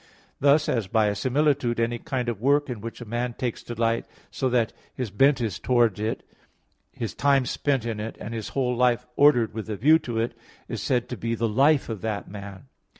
Thus, as by a similitude, any kind of work in which a man takes delight, so that his bent is towards it, his time spent in it, and his whole life ordered with a view to it, is said to be the life of that man.